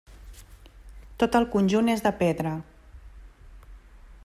Tot el conjunt és de pedra.